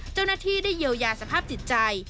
เจ้าหน้าที่ได้เยียวยาสภาพจิตใจ